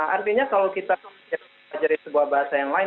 artinya kalau kita belajar dari sebuah bahasa yang lain